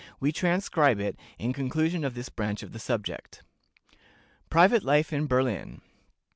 We transcribe it, in conclusion of this branch of the subject: PRIVATE LIFE IN BERLIN.